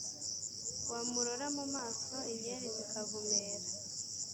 Wamurora mu maso Inyeri zikavumera,